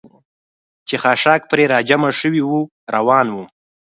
چې خاشاک پرې را جمع شوي و، روان ووم.